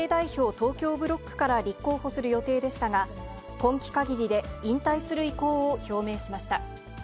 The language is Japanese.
東京ブロックから立候補する予定でしたが、今季かぎりで引退する意向を表明しました。